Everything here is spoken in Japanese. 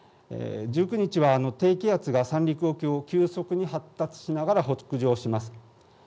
１９日は低気圧が三陸沖を急速に発達しながら北上します。